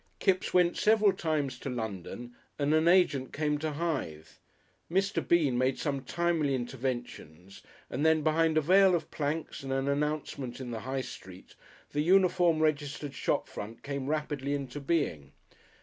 Kipps went several times to London and an agent came to Hythe; Mr. Bean made some timely interventions, and then behind a veil of planks and an announcement in the High Street, the uniform registered shop front came rapidly into being.